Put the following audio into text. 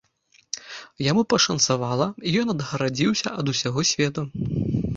Яму пашанцавала, і ён адгарадзіўся ад усяго свету!